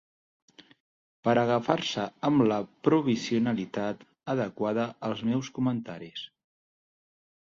Per agafar-se amb la provisionalitat adequada els meus comentaris.